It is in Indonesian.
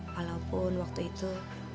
walaupun waktu itu